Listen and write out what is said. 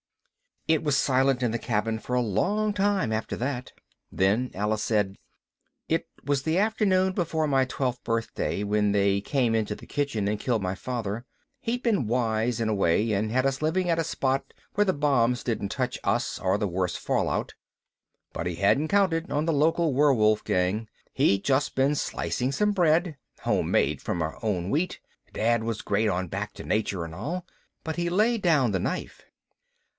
It was silent in the cabin for a long time after that. Then Alice said, "It was the afternoon before my twelfth birthday when they came into the kitchen and killed my father. He'd been wise, in a way, and had us living at a spot where the bombs didn't touch us or the worst fallout. But he hadn't counted on the local werewolf gang. He'd just been slicing some bread homemade from our own wheat (Dad was great on back to nature and all) but he laid down the knife.